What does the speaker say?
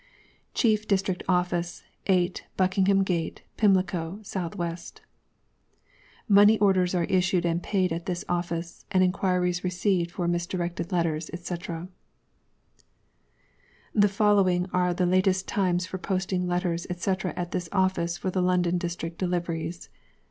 CHIEF DISTRICT OFFICE, 8, BUCKINGHAM GATE, PIMLICO, (S.W.) Money Orders are issued and paid at this Office, and inquiries received for misdirected letters, &c. 235. The following are the latest times for posting Letters, &c. at this Office for the London District deliveries.